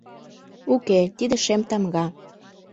Уке, тиде — «шем тамга».